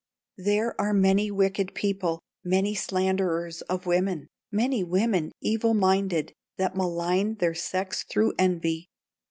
"There are many wicked people, Many slanderers of women, Many women evil minded, That malign their sex through envy.